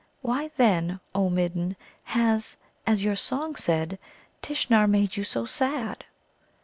"Why, then, O Midden, has, as your song said, Tishnar made you so sad?"